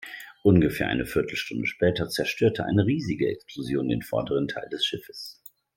Ungefähr eine Viertelstunde später zerstörte eine riesige Explosion den vorderen Teil des Schiffes.